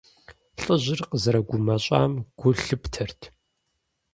Лӏыжьыр къызэрыгумэщӀам гу лъыптэрт.